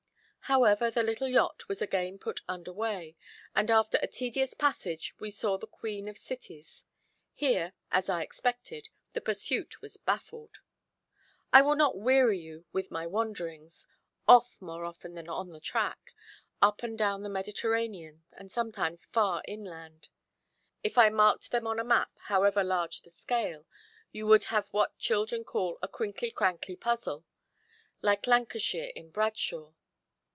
However, the little yacht was again put under way, and, after a tedious passage, we saw the Queen of cities. Here, as I expected, the pursuit was baffled. I will not weary you with my wanderings, off more often than on the track, up and down the Mediterranean, and sometimes far inland. If I marked them on a map, however large the scale, you would have what children call a crinkly crankly puzzle, like Lancashire in Bradshaw.